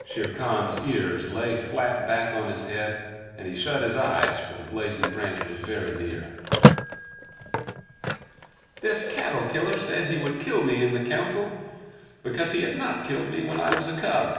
Shere Khan's ears lay flat back on his head, and he shut his eyes, for the blazing branch was very near. "This cattle killer said he would kill me in the Council because he had not killed me when I was a cub.